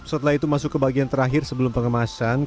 setelah itu masuk ke bagian terakhir sebelum pengemasan